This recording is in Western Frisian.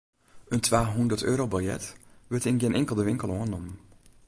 In twahûnderteurobiljet wurdt yn gjin inkelde winkel oannommen.